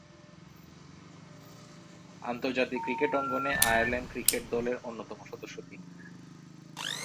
আন্তর্জাতিক ক্রিকেট অঙ্গনে Ireland cricket দলের অন্যতম সদস্য তিনি।